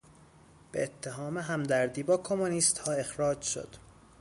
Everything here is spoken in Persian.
به اتهام همدردی با کمونیستها اخراج شد.